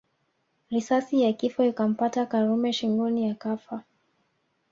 Risasi ya kifo ikampata Karume shingoni akafa